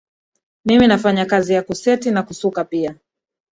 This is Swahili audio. mimi nafanya kazi ya kuseti na kusuka pia